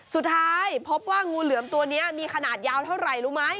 สุดท้ายพบว่างูเหลือมตัวนี้มีขนาดยาวเท่าไหร่รู้ไหม